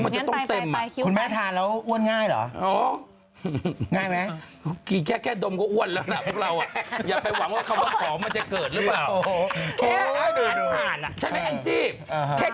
ใช่ของคุณที่เก็บคิ้วให้เห็นไหมคะ